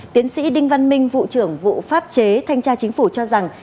tiến sĩ đinh văn minh vụ trưởng vụ pháp chế thanh tra chính phủ cho rằng